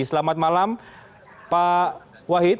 selamat malam pak wahid